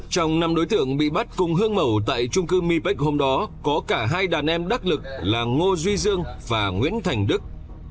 trong năm đối tượng bị bắt cùng hương mầu tại trung cư mi bách hôm đó có cả hai đàn em đắc lực là ngô duy dương và nguyễn thành đức